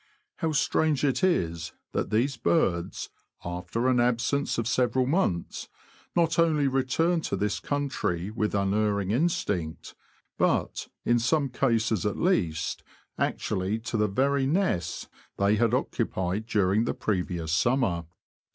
How strange it is that these birds, after an absence of several months, not only return to this country with unerring instinct, but, in some cases at least, actually to the very nests they had occupied during the previous summer.